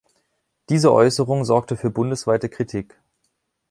Diese Äußerung sorgte für bundesweite Kritik.